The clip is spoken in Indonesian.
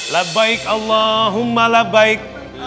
la baik allahumma la baik